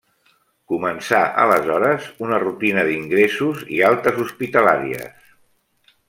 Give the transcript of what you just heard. Començà aleshores, una rutina d'ingressos i altes hospitalàries.